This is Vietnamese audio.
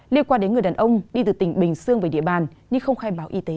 liên quan đến người đàn ông đi từ tỉnh bình dương về địa bàn nhưng không khai báo y tế